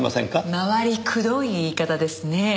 回りくどい言い方ですね。